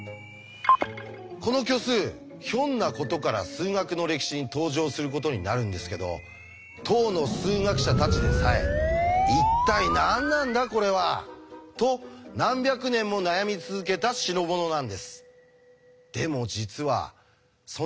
この虚数ひょんなことから数学の歴史に登場することになるんですけど当の数学者たちでさえ「一体何なんだこれは！」と何百年も悩み続けた代物なんです。